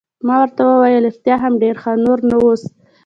ما ورته وویل: رښتیا هم ډېر ښه، نور نو اوس.